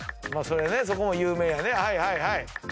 そこも有名やね。